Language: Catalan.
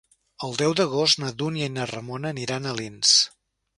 El deu d'agost na Dúnia i na Ramona aniran a Alins.